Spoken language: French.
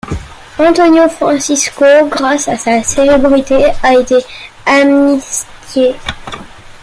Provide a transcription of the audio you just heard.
Antonio Francisco, grâce à sa célébrité, a été amnistié.